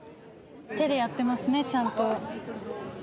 手でやってますねちゃんと。